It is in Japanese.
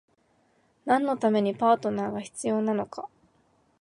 何のためにパートナーが必要なのか？